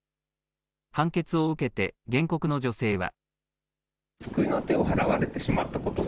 判決を受けて原告の女性は。